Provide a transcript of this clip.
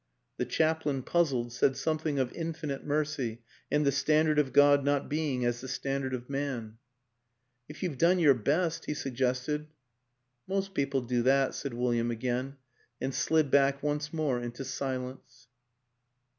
The chaplain, puzzled, said something of in finite mercy and the standard of God not being as the standard of man. WILLIAM AN ENGLISHMAN 277 " If you've done your best ..." he suggested. " Most people do that," said William again ... and slid back once more into silence.